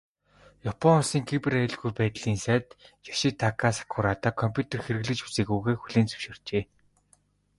Япон улсын Кибер аюулгүй байдлын сайд Ёшитака Сакурада компьютер хэрэглэж үзээгүйгээ хүлээн зөвшөөрчээ.